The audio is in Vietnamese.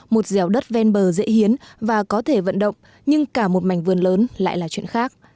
một dẻo đất ven bờ dễ hiến và có thể vận động nhưng cả một mảnh vườn lớn lại là chuyện khác